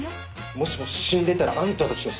もしも死んでたらあんたたちの責任だ。